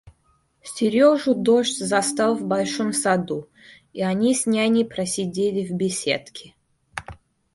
Сережу дождь застал в большом саду, и они с няней просидели в беседке.